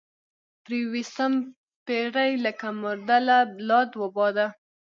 پرې ويستم پيرۍ لکه مرده لۀ لاد وباده